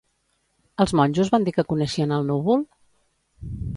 Els monjos van dir que coneixien el núvol?